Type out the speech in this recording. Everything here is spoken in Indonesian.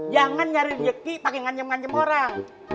jangan nyari rejeki pake ngancam ngancem orang